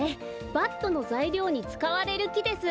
バットのざいりょうにつかわれるきです。